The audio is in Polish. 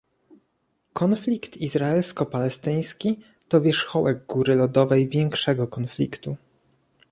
Konflikt izraelsko-palestyński to wierzchołek góry lodowej większego konfliktu